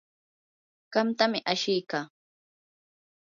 qamtam ashiykaa.